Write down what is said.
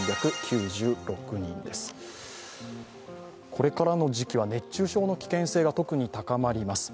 これからの時期は熱中症の危険性が特に高まります。